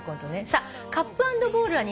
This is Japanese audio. さあ。